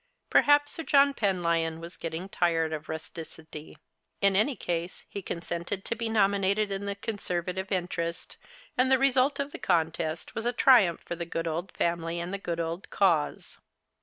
Perhaps Sir John Penlyon was getting tired of rusticity. In any case he consented to be nominated in the Conservative interest ; and the result of the contest was a triumph for the good old family and the good old cause.